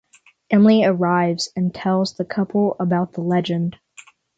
Emily arrives and tells the couple about the legend.